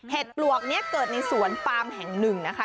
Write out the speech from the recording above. ปลวกนี้เกิดในสวนปามแห่งหนึ่งนะคะ